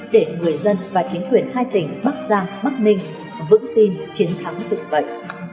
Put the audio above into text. để người dân và chính quyền hai tỉnh bắc giang bắc ninh vững tin chiến thắng dựng vậy